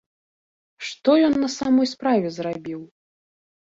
Што ён на самай справе зрабіў?